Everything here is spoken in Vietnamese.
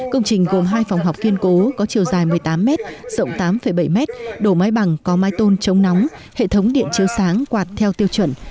công trình gồm hai phòng học kiên cố có chiều dài một mươi tám m rộng tám bảy mét đổ mái bằng có mái tôn chống nóng hệ thống điện chiếu sáng quạt theo tiêu chuẩn